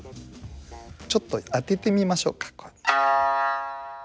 ちょっと当ててみましょうか。